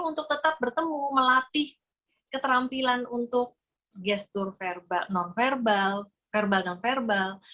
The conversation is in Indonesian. untuk tetap bertemu melatih keterampilan untuk gestur non verbal verbal non verbal